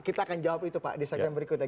kita akan jawab itu pak di saat yang berikutnya